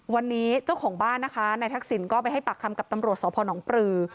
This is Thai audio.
วันนี้เจ้าของบ้านนะคะนายทักษิณก็ไปให้ปากคำกับตำรวจสพนปลือ